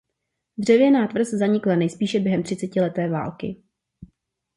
Dřevěná tvrz zanikla nejspíše během třicetileté války.